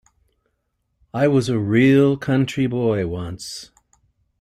I was a real country boy, once.